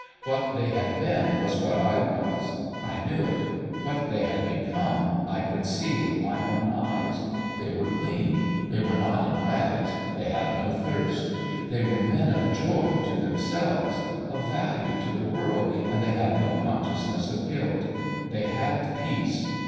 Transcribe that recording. What they had been was what I was. I knew it. What they had become I could see with my own eyes. They were clean ; they were not in rags they had no thirst. They were men of joy to them selves of value to the world. ... And they had no consciousness of guilt. They had peace.